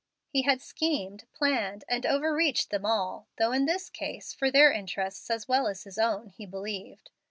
He had schemed, planned, and overreached them all, though, in this case, for their interests as well as his own, he believed.